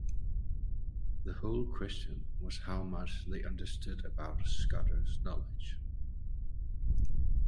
The whole question was how much they understood about Scudder’s knowledge.